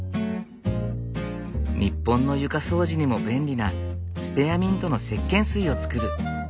日本の床掃除にも便利なスペアミントのせっけん水を作る。